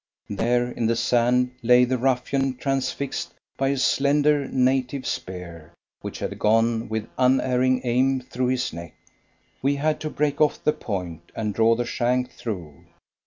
There in the sand lay the ruffian transfixed by a slender native spear, which had gone with unerring aim through his neck; we had to break off the point and draw the shank through.